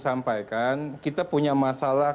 sampaikan kita punya masalah